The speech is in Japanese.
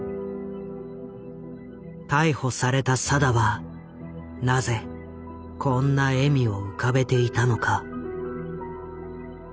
逮捕された定はなぜこんな笑みを浮かべていたのか？